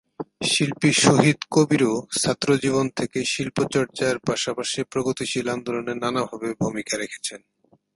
শিল্পী শহিদ কবিরও ছাত্রজীবন থেকে শিল্পচর্চার পাশাপাশি প্রগতিশীল আন্দোলনে নানাভাবে ভূমিকা রেখেছেন।